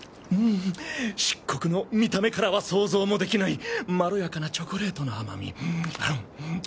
漆黒の見た目からは想像もできないまろやかなチョコレートの甘み。